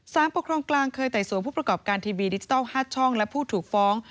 ปกครองกลางเคยไต่สวนผู้ประกอบการทีวีดิจิทัล๕ช่องและผู้ถูกฟ้อง